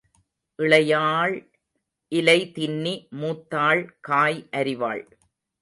இளையாள் இலை தின்னி மூத்தாள் காய் அரிவாள்.